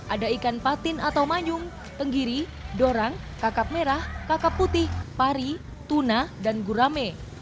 ada ikan patin atau manyung tenggiri dorang kakap merah kakap putih pari tuna dan gurame